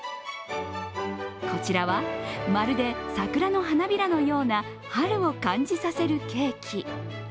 こちらは、まるで桜の花びらのような春を感じさせるケーキ。